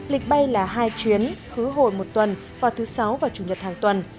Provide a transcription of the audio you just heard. lịch bay là hai chuyến khứ hồi một tuần vào thứ sáu và chủ nhật hàng tuần